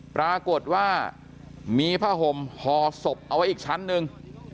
ปรากฏว่ามีผ้าห่มห่อศพเอาไว้อีกชั้นหนึ่ง